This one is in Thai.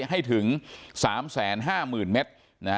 ให้ถึง๓๕๐๐๐เมตร